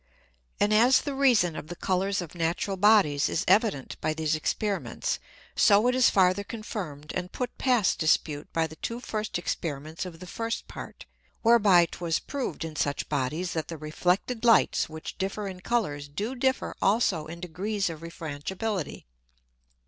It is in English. And as the reason of the Colours of natural Bodies is evident by these Experiments, so it is farther confirmed and put past dispute by the two first Experiments of the first Part, whereby 'twas proved in such Bodies that the reflected Lights which differ in Colours do differ also in degrees of Refrangibility.